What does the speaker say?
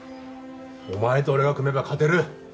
お前と俺が組めば勝てる！